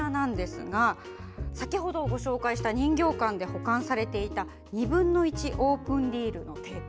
先ほどご紹介した人形館で保管されていた２分の１オープンリールのテープ。